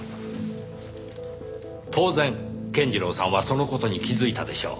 当然健次郎さんはその事に気づいたでしょう。